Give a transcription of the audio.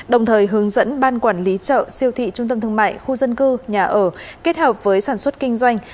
đồng thời hướng dẫn ban quản lý chợ siêu thị trung tâm thương mại khu dân cư nhà ở kết hợp với sản xuất kinh doanh